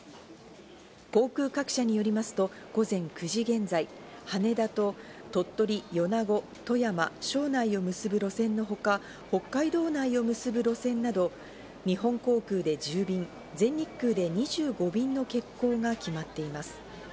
航空各社によりますと午前９時現在、羽田と鳥取、米子、富山、庄内を結ぶ路線のほか、北海道内を結ぶ路線など日本航空で１０便、全日空で２５便の欠航が決まっています。